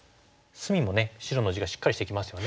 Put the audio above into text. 隅もね白の地がしっかりしてきますよね。